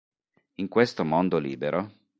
In questo mondo libero...